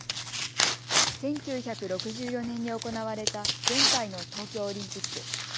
１９６４年に行われた前回の東京オリンピック。